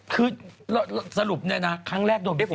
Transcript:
คือสรุปเนี่ยนะครั้งแรกโดนเป็น๔ล้าน